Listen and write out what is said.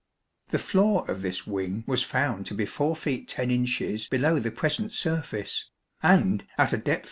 The floor of this wing was found to be 4 feet 10 inches below the present surface, and, at a depth